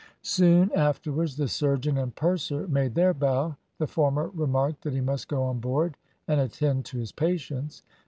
Soon afterwards the surgeon and purser made their bow: the former remarked that he must go on board and attend to his patients.